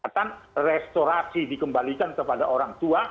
dan restorasi dikembalikan kepada orang tua